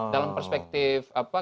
dalam perspektif kampanye